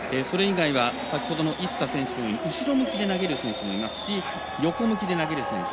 先ほどのイッサ選手のように後ろ向きに投げる選手もいますし横向きで投げる選手。